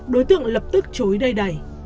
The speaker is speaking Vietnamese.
đối tượng lập tức chối đầy đầy